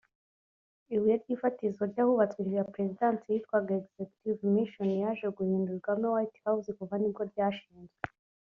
ibuye ry'ifatizo ry’ahubatswe inzu ya perezidansi yitwaga Executive Mansion (yaje guhindurwamo White House kuva nibwo ryashinzwe